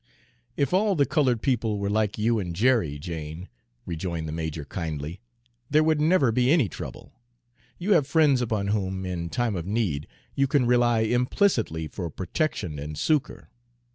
"If all the colored people were like you and Jerry, Jane," rejoined the major kindly, "there would never be any trouble. You have friends upon whom, in time of need, you can rely implicitly for protection and succor.